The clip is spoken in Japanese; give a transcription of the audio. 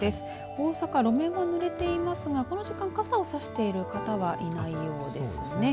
大阪、路面がぬれていますがこの時間、傘を差している方はいないようです。